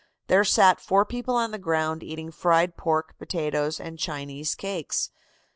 There sat four people on the ground eating fried pork, potatoes and Chinese cakes.